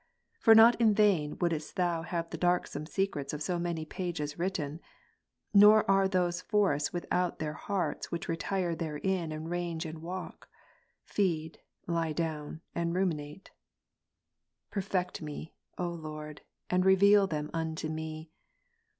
For not in vain wouldest Thou have the darksome secrets '^ of so many pages written ; nor are those forests without their harts ^ which retire therein and range and walk ; Ps. 29. feed, lie down, and ruminate ^ Perfect me, O Lord, and reveal them unto me.